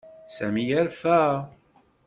Sami yerfa.